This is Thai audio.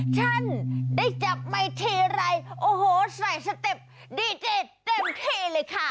ฉันได้จับไมค์ทีไรโอ้โหใส่สเต็ปดีเจเต็มที่เลยค่ะ